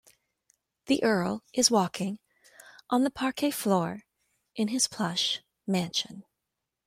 The earl is walking on the parquet floor in his plush mansion.